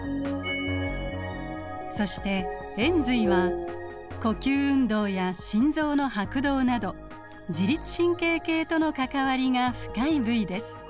そして延髄は呼吸運動や心臓の拍動など自律神経系との関わりが深い部位です。